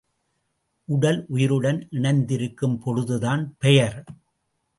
உடல் உயிருடன் இணைந்திருக்கும் பொழுதுதான் பெயர்.